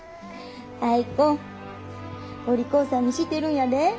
アイ子お利口さんにしてるんやで。